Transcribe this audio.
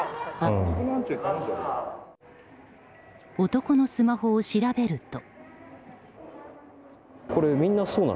男のスマホを調べると。